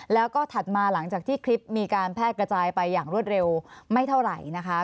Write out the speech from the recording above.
แล้วก็ถัดมาหลังจากที่คลิปมีการแพร่กระจายไปอย่างรวดเร็วไม่เท่าไหร่นะคะ